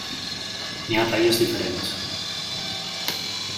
N'hi ha talles diferents.